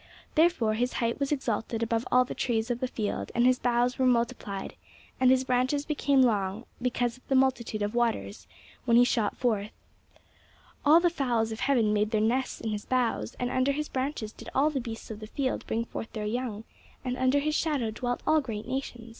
Therefore his height was exalted above all the trees of the field and his boughs were multiplied, and his branches became long because of the multitude of waters, when he shot forth. All the fowls of heaven made their nests in his boughs, and under his branches did all the beasts of the field bring forth their young, and under his shadow dwelt all great nations.'"